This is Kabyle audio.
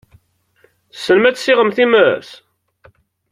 Tessnem ad tessiɣem times?